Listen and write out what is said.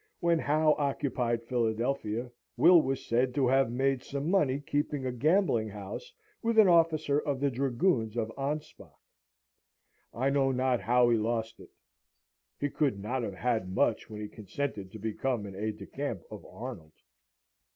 When Howe occupied Philadelphia, Will was said to have made some money keeping a gambling house with an officer of the dragoons of Anspach. I know not how he lost it. He could not have had much when he consented to become an aide de camp of Arnold.